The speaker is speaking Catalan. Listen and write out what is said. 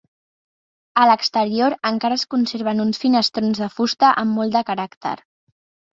A l'exterior encara es conserven uns finestrons de fusta amb molt de caràcter.